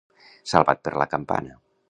Salvat per la campana.